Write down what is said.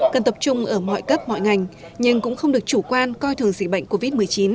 cần tập trung ở mọi cấp mọi ngành nhưng cũng không được chủ quan coi thường dịch bệnh covid một mươi chín